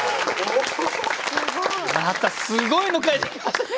またすごいの書いてきましたね